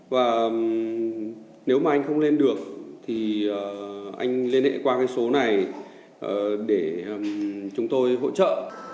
và nếu mà anh không lên được thì anh liên hệ qua cái số này để chúng tôi hỗ trợ